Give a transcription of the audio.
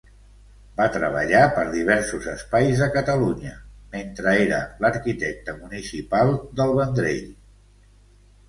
Va treballar per diversos espais de Catalunya, mentre era l'arquitecte municipal del Vendrell.